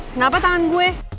kenapa tangan gue